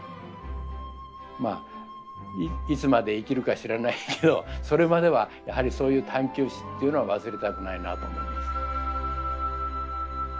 まあいつまで生きるか知らないけどそれまではやはりそういう探求心っていうのは忘れたくないなと思います。